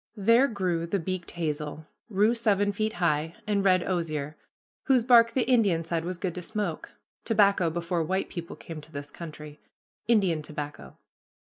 There grew the beaked hazel, rue seven feet high, and red osier, whose bark the Indian said was good to smoke, "tobacco before white people came to this country, Indian tobacco."